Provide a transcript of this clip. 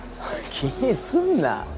気にすんな。